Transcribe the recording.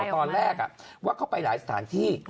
ตอนแรกว่าเข้าไปหลายสถานที่